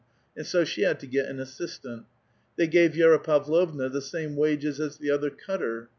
and so she had to get an assistant. They gave Vi^ra If^avlovna the same wages as tlie other cutter.